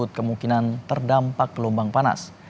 kemungkinan terdampak gelombang panas